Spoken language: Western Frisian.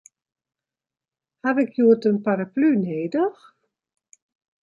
Ha ik hjoed in paraplu nedich?